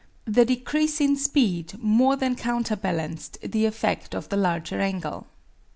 The decrease in speed more than counterbalanced the effect of the larger angle.